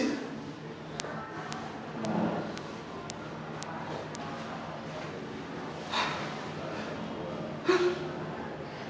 ya ini dia